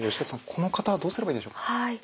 この方はどうすればいいでしょうか。